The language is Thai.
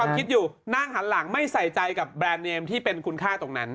คิดอยู่นั่งหันหลังไม่ใส่ใจกับแบรนด์เนมที่เป็นคุณค่าตรงนั้น